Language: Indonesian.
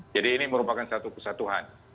jadi ini merupakan satu kesatuan